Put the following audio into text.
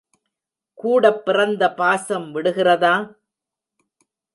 கூடப்பிறந்த பாசம் விடுகிறதா?